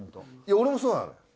俺もそうなのよ。